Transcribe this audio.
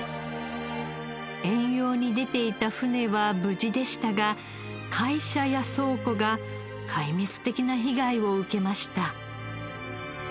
遠洋に出ていた船は無事でしたが会社や倉庫が壊滅的な被害を受けました。